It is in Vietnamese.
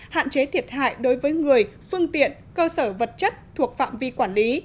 hạn chế thiệt hại đối với người phương tiện cơ sở vật chất thuộc phạm vi quản lý